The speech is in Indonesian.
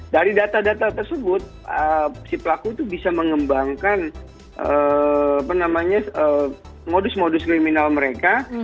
dari data data tersebut si pelaku itu bisa mengembangkan modus modus kriminal mereka